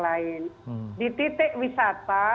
lain di titik wisata